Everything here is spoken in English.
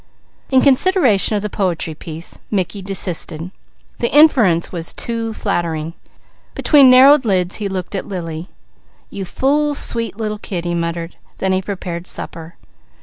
In consideration of the poetry piece Mickey desisted. The inference was too flattering. Between narrowed lids he looked at Lily. "You fool sweet little kid," he muttered. Then he prepared supper.